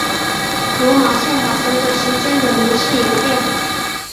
罗马宪法随着时间的流逝演变。